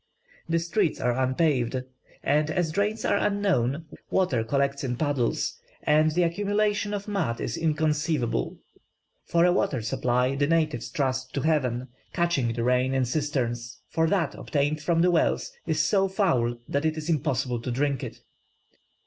The streets are unpaved; and as drains are unknown, water collects in puddles, and the accumulation of mud is inconceivable. For a water supply the natives trust to heaven, catching the rain in cisterns, for that obtained from the wells is so foul that it is impossible to drink it.